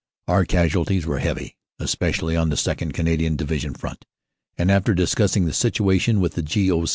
"Our casualties were heavy, especially on the 2nd. Cana dian Division front, and after discussing the situation with the G. O.